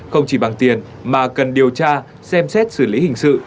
không chỉ bằng tiền mà cần điều tra xem xét xử lý hình sự